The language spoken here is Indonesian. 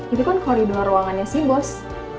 itu kan koridor ruangannya sih bos